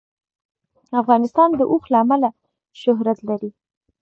افغانستان د اوښ له امله شهرت لري.